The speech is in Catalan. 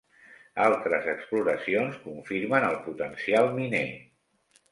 Altres exploracions confirmen el potencial miner.